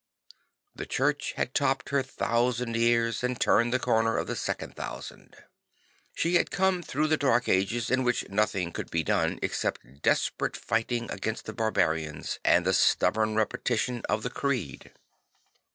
The Church had topped her thousand years and turned the comer of the second thousand; she had come through 54 St. Francis of Assisi the Dark Ages in \vhich nothing could be done except desperate fighting against the barbarians and the stubborn repetition of the creed.